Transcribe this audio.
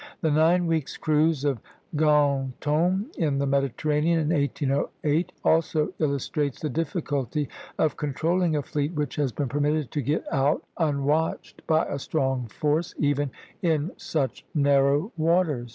The nine weeks' cruise of Ganteaume in the Mediterranean, in 1808, also illustrates the difficulty of controlling a fleet which has been permitted to get out, unwatched by a strong force, even in such narrow waters.